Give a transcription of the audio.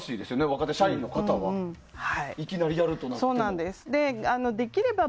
若手社員の方はいきなりやるとなると。